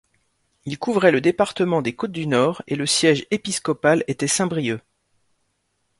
Il couvrait le département des Côtes-du-Nord et le siège épiscopal était Saint-Brieuc.